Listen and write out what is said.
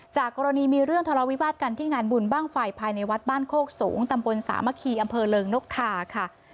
จากกรณีมีเรื่องทะเลาวิวาสกันที่งานบุญบ้างไฟภายในวัดบ้านโคกสูงตำบลสามะคีอำเภอเริงนกทาค่ะ